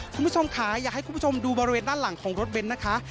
คุณผู้ชมค่ะอยากให้คุณผู้ชมดูบริเวณด้านหลังของรถเบนท์นะคะ